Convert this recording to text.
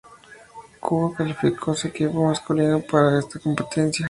Cuba calificó a su equipo masculino para esta competencia.